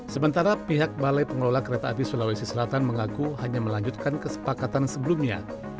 sementara pihak balai pengelola kereta api sulawesi selatan mengaku hanya melanjutkan kesepakatan sebelumnya